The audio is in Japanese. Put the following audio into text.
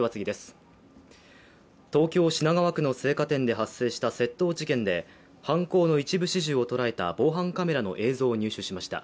東京・品川区の青果店で発生した窃盗事件で犯行の一部始終をとらえた防犯カメラの映像を入手しました。